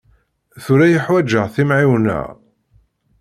Tura i ḥwaǧeɣ timɛiwna.